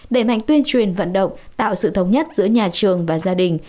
đẩy mạnh tuyên truyền vận động tạo sự thống nhất giữa nhà trường và gia đình